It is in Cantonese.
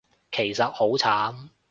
其實好慘